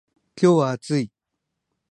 今日は暑い